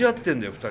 ２人。